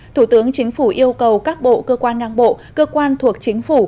thủ tướng chính phủ yêu cầu các bộ cơ quan ngang bộ cơ quan thuộc chính phủ